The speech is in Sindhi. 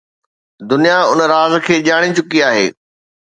دنيا ان راز کي ڄاڻي چڪي آهي.